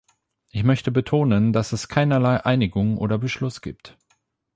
Ich möchte betonen, dass es keinerlei Einigung oder Beschluss gibt.